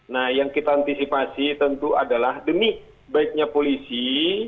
nah yang kita antisipasi tentu adalah demi baiknya polisi